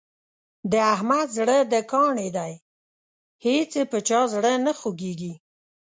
د احمد زړه د کاڼي دی هېڅ یې په چا زړه نه خوږېږي.